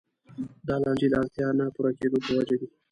دا لانجې د اړتیاوو نه پوره کېدو په وجه دي.